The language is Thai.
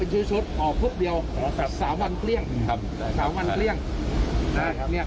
โอเคพากตอบเนี่ยบอกพี่โสเอาเรือเล็กลงมาทำแบบที่สุฟาน